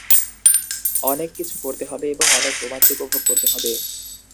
অনেক কিছু করতে হবে এবং অনেক রোমাঞ্চ উপভোগ করতে হবে।